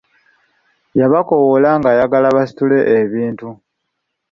Yabakoowoola ng'ayagala basitule ebintu.